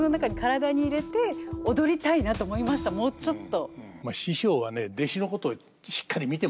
もうちょっと。